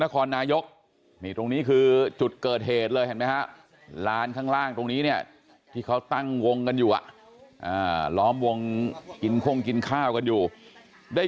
เพราะความที่เรากลัวว่าจะเกิดความรุนแรงเพราะเด็กน้อยนั่งอยู่กันเยอะเลยค่ะ